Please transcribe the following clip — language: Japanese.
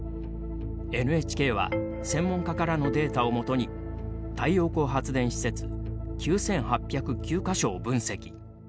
ＮＨＫは専門家からのデータを基に太陽光発電施設９８０９か所を分析。